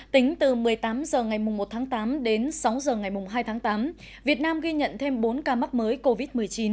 tính từ một mươi tám h ngày một tháng tám đến sáu h ngày hai tháng tám việt nam ghi nhận thêm bốn ca mắc mới covid một mươi chín